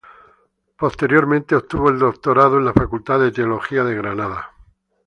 Posteriormente obtuvo el Doctorado en la Facultad de Teología de Granada.